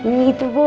iya itu bu